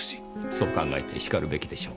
そう考えてしかるべきでしょう。